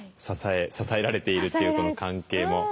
支え支えられているというこの関係も。